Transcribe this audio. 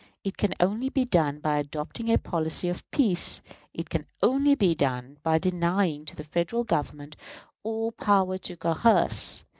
It can only be done by adopting a policy of peace. It can only be done by denying to the Federal Government all power to coerce.